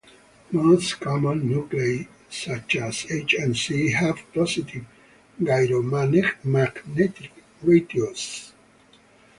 Most common nuclei such as H and C have positive gyromagnetic ratios.